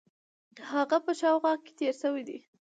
هغه په شاوخوا کې تېر شوی دی.